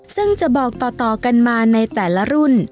ซึ่งจะบอกต่อกันมาในแต่ละรุ่น